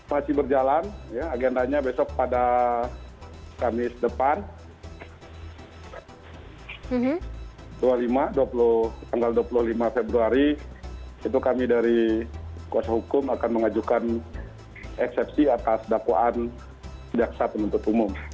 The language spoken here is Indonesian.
masih berjalan agendanya besok pada kamis depan tanggal dua puluh lima februari itu kami dari kuasa hukum akan mengajukan eksepsi atas dakwaan jaksa penuntut umum